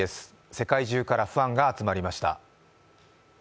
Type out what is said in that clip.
世界中からファンが集まりました。